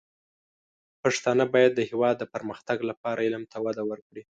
پښتانه بايد د هېواد د پرمختګ لپاره علم ته وده ورکړي.